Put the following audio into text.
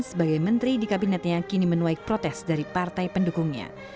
sebagai menteri di kabinetnya kini menuai protes dari partai pendukungnya